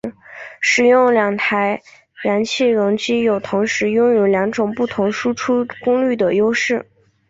使用两台燃气轮机有同时拥有两种不同输出功率的优势。